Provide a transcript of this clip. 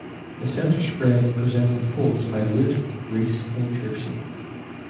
The center spread presented poems by Wood, Reese and Pearson.